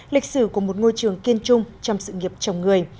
lịch sử của một ngôi trường kiên trung trong sự nghiệp chồng người